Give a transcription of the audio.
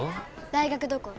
大学どこ？